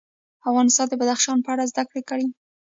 افغانستان کې د بدخشان په اړه زده کړه کېږي.